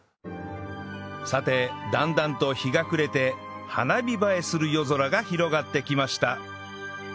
さてだんだんと日が暮れて花火映えする夜空が広がってきました